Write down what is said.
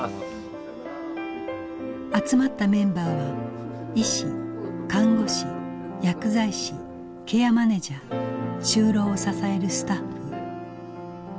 集まったメンバーは医師看護師薬剤師ケアマネジャー就労を支えるスタッフ。